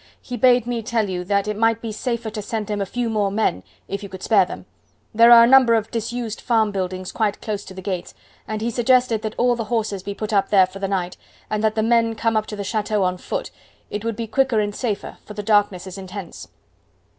He bade me tell you that it might be safer to send him a few more men if you could spare them. There are a number of disused farm buildings quite close to the gates, and he suggested that all the horses be put up there for the night, and that the men come up to the chateau on foot; it would be quicker and safer, for the darkness is intense."